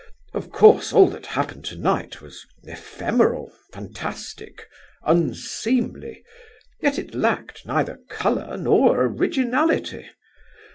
Of course, all that happened tonight was ephemeral, fantastic, unseemly—yet it lacked neither colour nor originality.